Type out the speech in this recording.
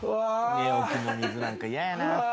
「寝起きの水なんか嫌やな」